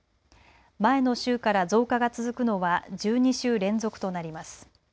前の週から増加が続くのは１２週連続となります。